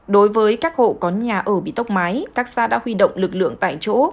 đối với các hộ có nhà ở bị tốc mái các xã đã huy động lực lượng tại chỗ